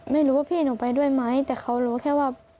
ไม่รู้ว่าพี่หนูไปด้วยไหมแต่เขารู้แค่ว่า